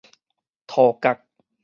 塗埆